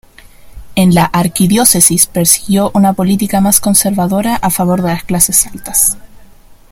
En la Arquidiócesis persiguió una política más conservadora a favor de las clases altas.